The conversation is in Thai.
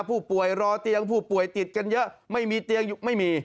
รอเตียงผู้ป่วยติดกันเยอะไม่มีเตียงไม่มี